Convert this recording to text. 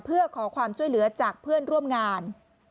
เพื่อขอความช่วยเหลือจากเพื่อนร่วมงาน